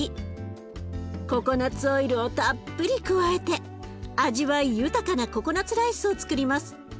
ココナツオイルをたっぷり加えて味わい豊かなココナツライスをつくります。